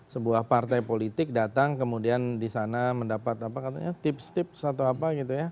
sebuah partai politik datang kemudian di sana mendapat apa katanya tips tips atau apa gitu ya